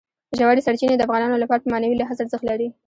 ژورې سرچینې د افغانانو لپاره په معنوي لحاظ ارزښت لري.